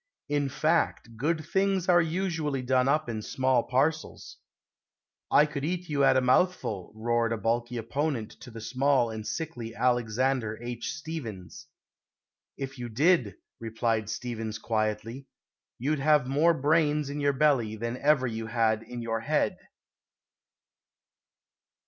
In fact good things are usually done up in small parcels. "I could eat you at a mouthful," roared a bulky opponent to the small and sickly Alexander H. Stephens. "If you did," replied Stephens quietly, "you'd have more brains in your belly than ever you had in your head."